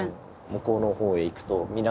向こうのほうへ行くと港？